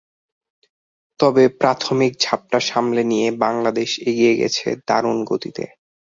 তবে প্রাথমিক ঝাপটা সামলে নিয়ে বাংলাদেশ এগিয়ে গেছে দারুণ গতিতে।